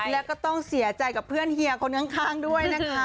แล้วก็ต้องเสียใจกับเพื่อนเฮียคนข้างด้วยนะคะ